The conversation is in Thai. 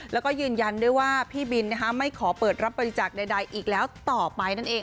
แล้วก็ยืนยันด้วยว่าพี่บินไม่ขอเปิดรับบริจาคใดอีกแล้วต่อไปนั่นเอง